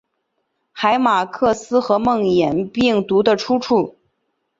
海马克斯和梦魇病毒的出处！